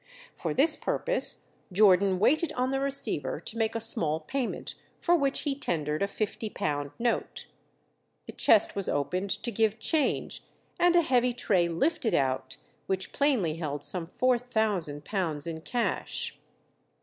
For this purpose Jordan waited on the receiver to make a small payment, for which he tendered a fifty pound note. The chest was opened to give change, and a heavy tray lifted out which plainly held some £4000 in cash.